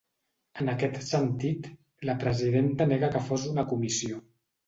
En aquest sentit, la presidenta nega que fos una comissió.